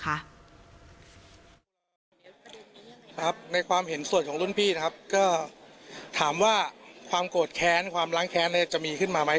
ครับในความเห็นส่วนของรุ่นพี่นะครับก็ถามว่าความโกรธแค้นความล้างแค้นจะมีขึ้นมาไหม